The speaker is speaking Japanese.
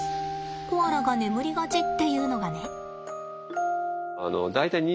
コアラが眠りがちっていうのがね。